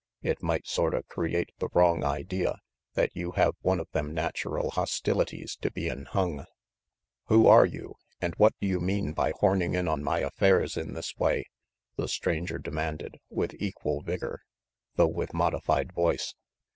It might sorta create the wrong idea that you have one of them natural hostilities to bein' hung " "Who are you, and what do you mean by horning in on my affairs in this way? " the stranger demanded, with equal vigor, though with modified voice.